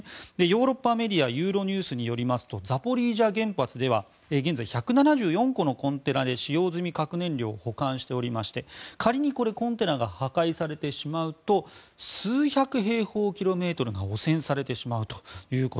ヨーロッパメディアユーロニュースによりますとザポリージャ原発では現在１７４個のコンテナで使用済み核燃料を保管しておりまして仮にコンテナが破壊されてしまいますと数百平方キロメートルが汚染されてしまうと。